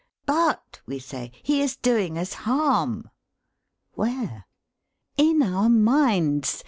But, we say, he is doing us harm! Where? In our minds.